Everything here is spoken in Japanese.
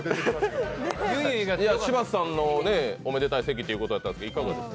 柴田さんのおめでたい席ということだったんですけど。